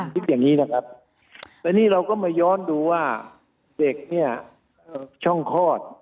คิดอย่างนี้นะครับแต่นี่เราก็มาย้อนดูว่าเด็กเนี่ยช่องคลอด